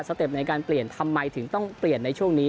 เต็ปในการเปลี่ยนทำไมถึงต้องเปลี่ยนในช่วงนี้